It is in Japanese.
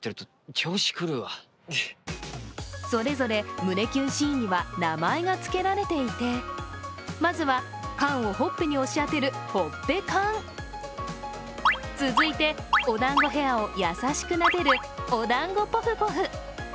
それぞれ胸キュンシーンには名前がつけられていてまずは、缶をほっぺに押し当てるほっぺ缶。続いて、お団子ヘアを優しくなでるお団子ぽふぽふ。